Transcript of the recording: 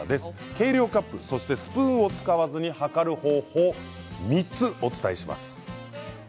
計量カップスプーンを使わずに量る方法３つお伝えします。